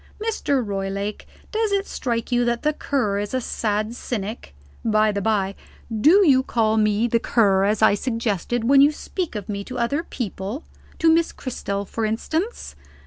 Mr. Roylake, does it strike you that the Cur is a sad cynic? By the by, do you call me 'the Cur' (as I suggested) when you speak of me to other people to Miss Cristel, for instance?